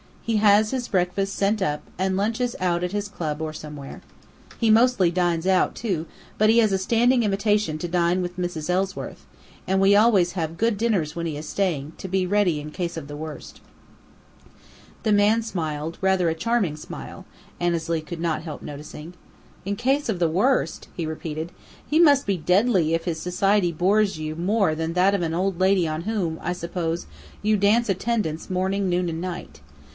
He has his breakfast sent up, and lunches out at his club or somewhere. He mostly dines out, too, but he has a standing invitation to dine with Mrs. Ellsworth, and we always have good dinners when he is staying, to be ready in case of the worst." The man smiled, rather a charming smile, Annesley could not help noticing. "In case of the worst!" he repeated. "He must be deadly if his society bores you more than that of an old lady on whom, I suppose, you dance attendance morning, noon, and night.